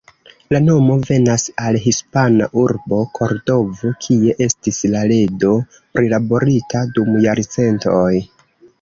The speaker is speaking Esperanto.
La nomo venas el hispana urbo Kordovo, kie estis la ledo prilaborita dum jarcentoj.